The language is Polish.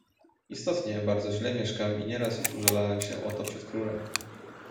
"Istotnie, bardzo źle mieszkam i nieraz już użalałem się o to przed królem."